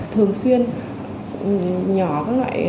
thường xuyên nhỏ các loại